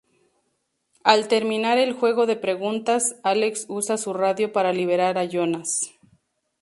Al terminar el juego de preguntas, Alex usa su radio para liberar a Jonas.